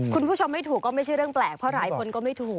คุณผู้ชมไม่ถูกก็ไม่ใช่เรื่องแปลกเพราะหลายคนก็ไม่ถูก